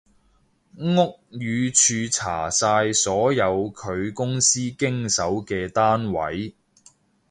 屋宇署查晒所有佢公司經手嘅單位